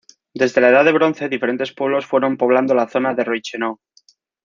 Desde la Edad de Bronce diferentes pueblos fueron poblando la zona de Reichenau.